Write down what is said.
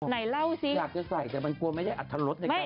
ไหนเล่าสิอยากจะใส่แต่มันกลัวไม่ได้อัตรรสในการ